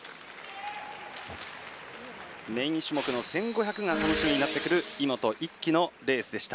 メイン種目の１５００が楽しみになってくる井本一輝のレースでした。